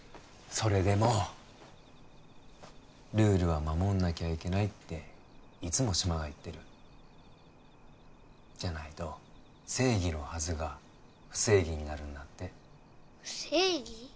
それでもルールは守んなきゃいけないっていつも志摩が言ってるじゃないと正義のはずが不正義になるんだってふせいぎ？